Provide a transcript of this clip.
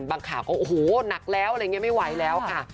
ข่าวก็โอ้โหหนักแล้วอะไรอย่างนี้ไม่ไหวแล้วค่ะ